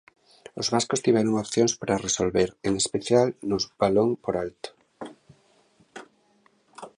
Os vascos tiveron opcións pra resolver, en especial, nos balón por alto.